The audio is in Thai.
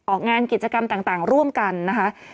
ออกงานกิจกรรมต่างร่วมกันนะคะ